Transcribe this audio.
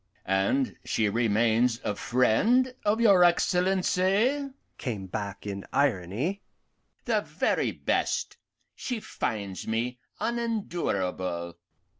And she remains a friend of your Excellency?" came back in irony. "The very best; she finds me unendurable."